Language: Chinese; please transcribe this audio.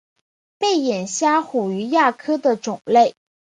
背眼虾虎鱼亚科的种类。